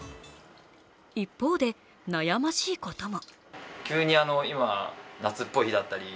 一方で悩ましいことも。